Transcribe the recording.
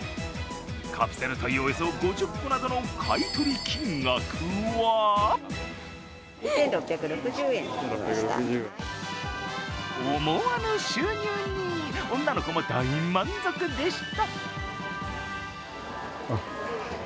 カプセルトイおよそ５０個などの買い取り金額は思わぬ収入に女の子も大満足でした。